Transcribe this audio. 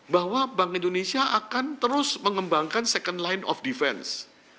bahwa bank indonesia akan terus mengembangkan second line of defense